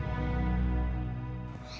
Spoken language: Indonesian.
malah yang ada bisa rick